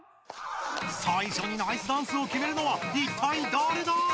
最初にナイスダンスをきめるのはいったいだれだ！？